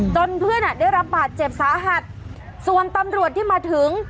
เพื่อนอ่ะได้รับบาดเจ็บสาหัสส่วนตำรวจที่มาถึง